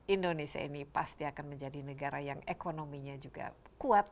indonesia ini pasti akan menjadi negara yang ekonominya juga kuat